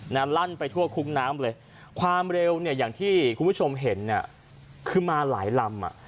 ลั่นไปทั่วคุกน้ำเลยความเร็วเนี่ยอย่างที่คุณผู้ชมเห็นเนี่ยคือมาหลายลำอ่ะ